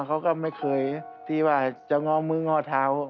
เขาก็ไม่เคยที่ว่าจะง้อมือง้อเท้า